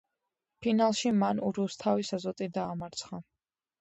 ფინალში მან რუსთავის „აზოტი“ დაამარცხა.